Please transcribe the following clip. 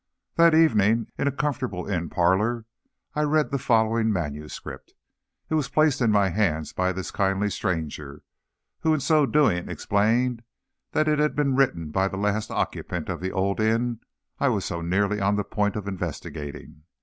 That evening, in a comfortable inn parlor, I read the following manuscript. It was placed in my hands by this kindly stranger, who in so doing explained that it had been written by the last occupant of the old inn I was so nearly on the point of investigating.